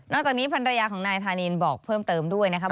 จากนี้ภรรยาของนายธานินบอกเพิ่มเติมด้วยนะครับ